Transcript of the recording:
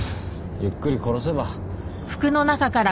ゆっくり殺せば？